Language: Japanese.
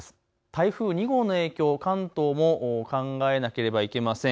台風２号の影響、関東も考えなければいけません。